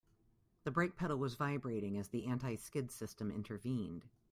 The brake pedal was vibrating as the anti-skid system intervened.